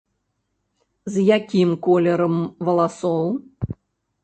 З якім колерам валасоў?